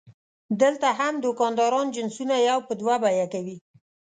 دلته هم دوکانداران جنسونه یو په دوه بیه کوي.